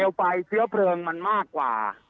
เร็วไปเสี้ยวเพลิงมันมากกว่า